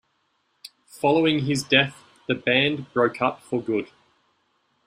Following his death, the Band broke up for good.